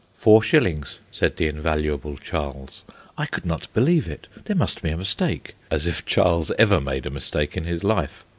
"Four shillings," said the invaluable Charles. I could not believe it there must be a mistake: as if Charles ever made a mistake in his life!